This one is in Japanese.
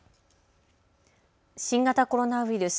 新型コロナウイルス。